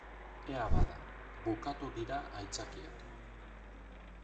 Ea bada, bukatu dira aitzakiak.